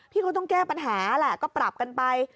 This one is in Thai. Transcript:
ก็ต้องแก้ปัญหาแหละก็ปรับกันไป